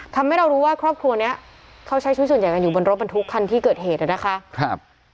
ทำให้เรารู้ว่าครอบครัวเนี้ยเขาใช้ชุดส่วนใหญ่กันอยู่บนรถบรรทุกคันที่เกิดเหตุอ่ะนะคะครับ